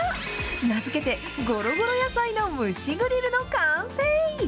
名付けて、ごろごろ野菜の蒸しグリルの完成。